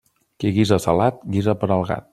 Qui guisa salat, guisa per al gat.